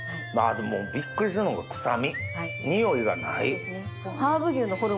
ビックリするのが臭みにおいがない。